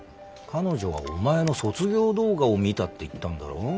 彼女はお前の卒業動画を見たって言ったんだろ？